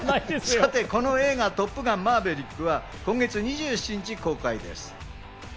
『トップガンマーヴェリック』は今月２７日公開です。